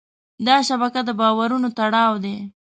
دا شبکه د باورونو تړاو دی.